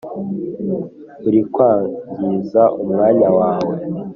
Urikwangza umwanya wawe